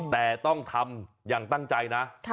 แต่ต้องทำอย่างตั้งใจนะ